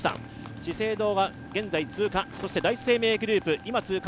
資生堂は現在通過、そして第一生命グループも通過。